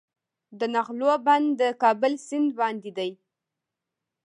د نغلو بند د کابل سیند باندې دی